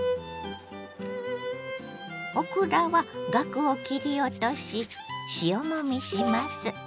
オクラはガクを切り落とし塩もみします。